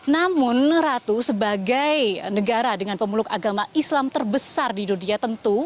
namun ratu sebagai negara dengan pemeluk agama islam terbesar di dunia tentu